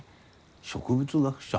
植物学者？